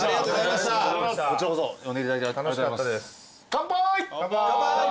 乾杯。